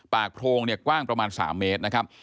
ปากโพรงกว้างประมาณ๓เมตรนะครับ